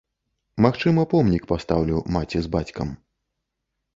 Магчыма, помнік пастаўлю маці з бацькам.